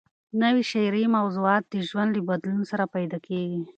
نوي شعري موضوعات د ژوند له بدلون سره پیدا کېږي.